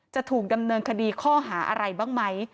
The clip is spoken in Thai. จะถูกดำเนินคดีข้อหาอะไรบ้างไหม